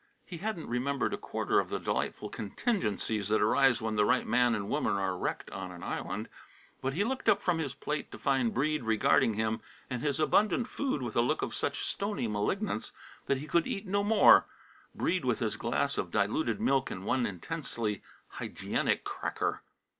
He hadn't remembered a quarter of the delightful contingencies that arise when the right man and woman are wrecked on an island, but he looked up from his plate to find Breede regarding him and his abundant food with a look of such stony malignance that he could eat no more Breede with his glass of diluted milk and one intensely hygienic cracker!